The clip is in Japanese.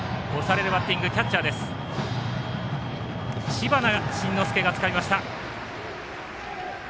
知花慎之助がつかみました。